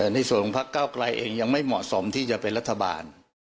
ในส่วนของพักเก้าไกลเองยังไม่เหมาะสมที่จะเป็นรัฐบาล